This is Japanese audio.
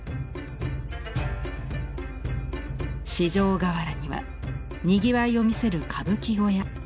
四条河原にはにぎわいを見せる歌舞伎小屋。